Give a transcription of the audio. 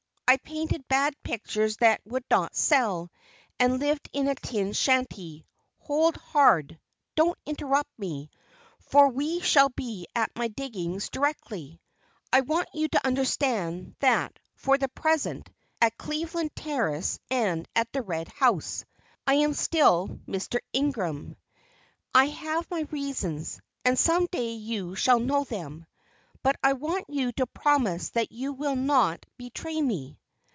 I painted bad pictures that would not sell, and lived in a tin shanty, hold hard don't interrupt me, for we shall be at my diggings directly. I want you to understand that for the present, at Cleveland Terrace and at the Red House, I am still Mr. Ingram. I have my reasons, and some day you shall know them; but I want you to promise that you will not betray me."